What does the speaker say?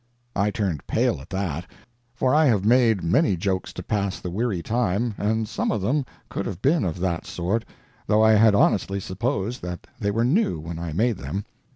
I turned pale at that, for I have made many jokes to pass the weary time, and some of them could have been of that sort, though I had honestly supposed that they were new when I made them.